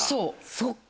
そっか。